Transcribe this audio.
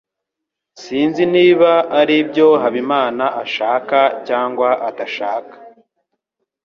Sinzi niba aribyo Habimana ashaka cyangwa adashaka.